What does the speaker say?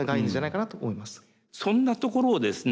そんなところをですね